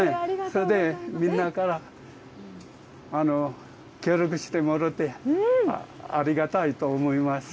それでみんなから協力してもろうて、ありがたいと思います。